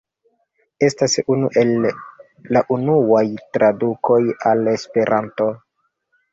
Estas unu el la unuaj tradukoj al Esperanto.